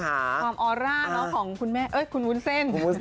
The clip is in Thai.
ความออร่าเนอะของคุณแม่เอ้ยคุณวุ้นเส้น